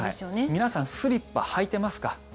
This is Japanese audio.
皆さんスリッパ履いてますか？